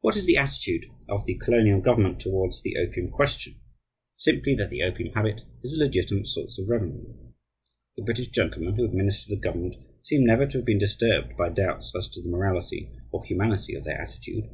What is the attitude of the Colonial government towards the opium question? Simply that the opium habit is a legitimate source of revenue. The British gentlemen who administer the government seem never to have been disturbed by doubts as to the morality or humanity of their attitude.